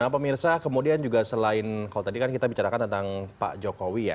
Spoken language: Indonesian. nah pemirsa kemudian juga selain kalau tadi kan kita bicarakan tentang pak jokowi ya